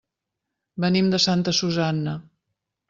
Venim de Santa Susanna.